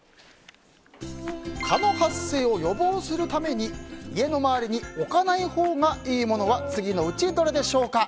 蚊の発生を予防するために家の周りに置かないほうがいいものは次のうちどれでしょうか。